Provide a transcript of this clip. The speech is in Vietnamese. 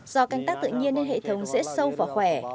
do canh tác tự nhiên nên hệ thống dễ sâu và khỏe